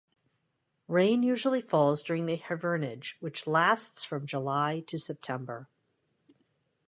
Rain usually falls during the hivernage, which lasts from July to September.